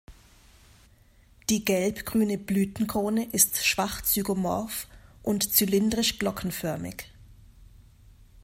Die gelb-grüne Blütenkrone ist schwach zygomorph und zylindrisch-glockenförmig.